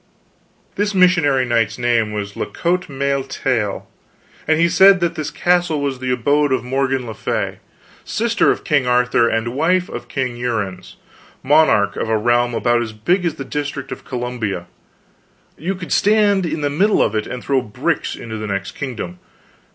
This missionary knight's name was La Cote Male Taile, and he said that this castle was the abode of Morgan le Fay, sister of King Arthur, and wife of King Uriens, monarch of a realm about as big as the District of Columbia you could stand in the middle of it and throw bricks into the next kingdom.